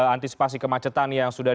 antisipasi kemacetan yang sudah